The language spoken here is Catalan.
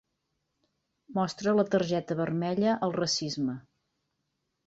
Mostra la targeta vermella al racisme.